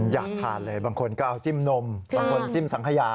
อยากทานเลยบางคนก็เอาจิ้มนมบางคนจิ้มสังขยา